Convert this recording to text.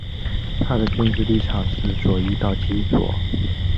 它的政治立场是左翼到极左。